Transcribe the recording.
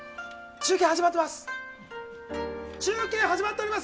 中継始まっております。